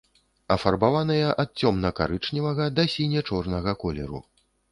Афарбаваныя ад цёмна-карычневага да сіне-чорнага колеру.